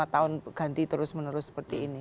lima tahun ganti terus menerus seperti ini